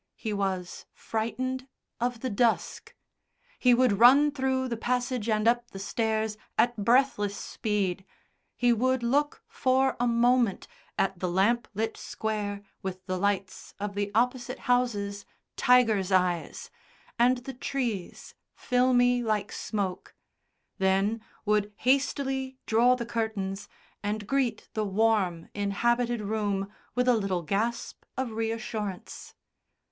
He was frightened of the dusk, he would run through the passage and up the stairs at breathless speed, he would look for a moment at the lamp lit square with the lights of the opposite houses tigers' eyes, and the trees filmy like smoke, then would hastily draw the curtains and greet the warm inhabited room with a little gasp of reassurance.